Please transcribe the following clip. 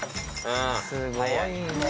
すごいね。